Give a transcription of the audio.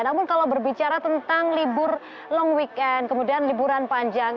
namun kalau berbicara tentang libur long weekend kemudian liburan panjang